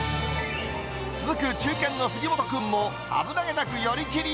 続く中堅の杉本君も危なげなく寄り切り。